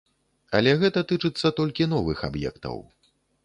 Але гэта тычыцца толькі новых аб'ектаў.